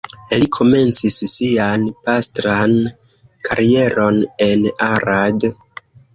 Li komencis sian pastran karieron en Arad.